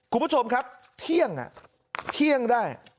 คุณผู้ชมครับเที่ยงเที่ยงได้